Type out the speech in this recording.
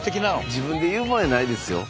自分で言うもんやないですよ。